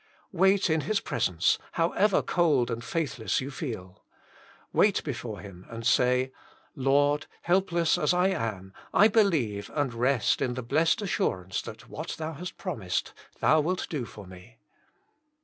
Wait in His presence, however cold and faithless you feel. Wait before Him and say :«< Lord, helpless as I am, I believe and rest in the blessed assurance that what Thou hast promised Thou wilt do for me."